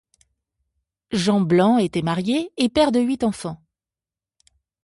Jean Blanc était marié et père de huit enfants.